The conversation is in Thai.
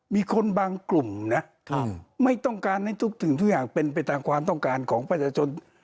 มีคนบางกลุ่มนะไม่ต้องการให้ทุกสิ่งทุกอย่างเป็นไปตามความต้องการของประชาชน